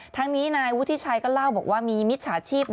ทั้งนี้นายวุฒิชัยก็เล่าบอกว่ามีมิจฉาชีพ